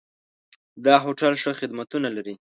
دا هوټل ښه خدمتونه لري.